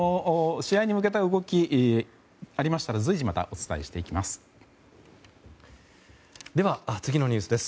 試合に向けた動きがありましたら随時またお伝えしていきます。